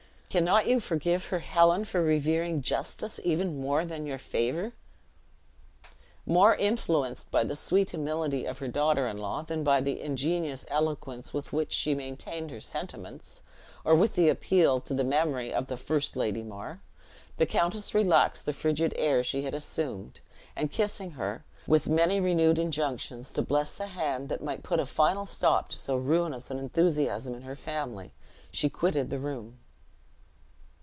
Cannot you forgive her Helen for revering justice even more than your favor?" More influenced by the sweet humility of her daughter in law than by the ingenuous eloquence with which she maintained her sentiments, or with the appeal to the memory of the first Lady Mar, the countess relaxed the frigid air she had assumed, and kissing her, with many renewed injunctions to bless the hand that might put a final stop to so ruinous an enthusiasm in her family, she quitted the room.